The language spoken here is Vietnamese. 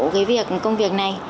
cái việc công việc này